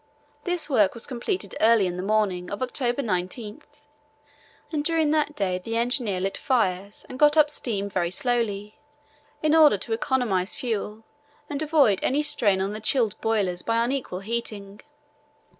This work was completed early in the morning of October 19, and during that day the engineer lit fires and got up steam very slowly, in order to economize fuel and avoid any strain on the chilled boilers by unequal heating.